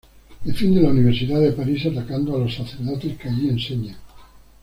Defiende la universidad de París atacando a los sacerdotes que allí enseñan.